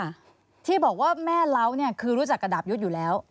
ตอนนี้บอกว่าแม่เล้าคือรู้จักกับดาบยุทธ์อยู่แล้ว